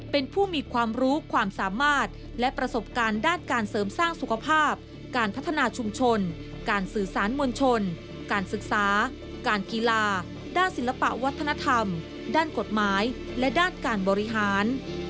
เป็นผู้มีความรู้ความสามารถและประสบการณ์ด้านการเสริมสร้างสุขภาพการพัฒนาชุมชนการสื่อสารมวลชนการศึกษาการกีฬาด้านศิลปะวัฒนธรรมด้านกฎหมายและด้านการบริหาร